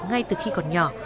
ngay từ khi còn nhỏ